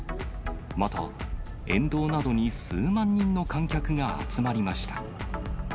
また、沿道などに数万人の観客が集まりました。